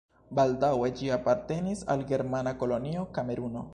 Baldaŭe ĝi apartenis al germana kolonio Kameruno.